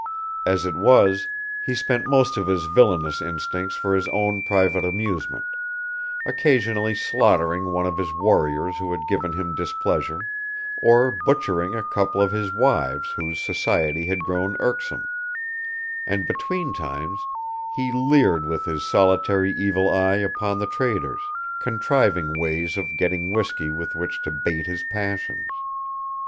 As it was, he spent most of his villainous instincts for his own private amusement, occasionally slaughtering one of his warriors who had given him displeasure, or butchering a couple of his wives whose society had grown irksome; and between times he leered with his solitary evil eye upon the traders, contriving ways for getting whiskey with which to bait his passions.